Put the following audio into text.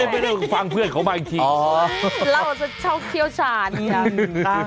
ไม่ได้ฟังเพื่อนเขาบ้างทีอ๋อเราจะเช่าเที่ยวฉานอย่างนั้น